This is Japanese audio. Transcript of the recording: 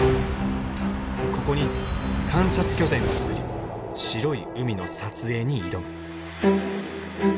ここに観察拠点を作り白い海の撮影に挑む。